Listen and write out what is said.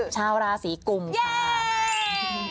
ชาวราศีกุมค่ะเย้